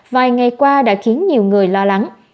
vài ngày qua đã khiến nhiều người lo lắng